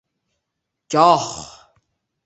Goh